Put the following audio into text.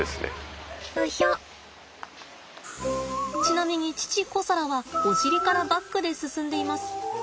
ちなみに父コサラはお尻からバックで進んでいます。